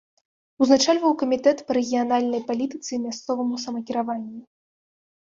Узначальваў камітэт па рэгіянальнай палітыцы і мясцоваму самакіраванню.